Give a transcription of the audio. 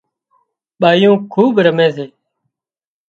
ٻايون کوٻ رمي سي